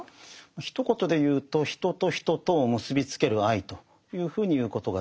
ひと言で言うと人と人とを結びつける愛というふうに言うことができます。